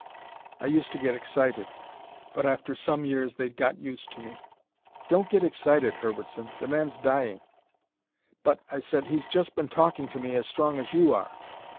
I used to get excited. But after some years they'd got used to me. 'Don't get excited, Herbertson, the man's dying.' 'But,' I said, 'he's just been talking to me as strong as you are.'